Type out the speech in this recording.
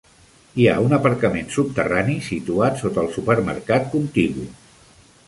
Hi ha un aparcament subterrani situat sota el supermercat contigu.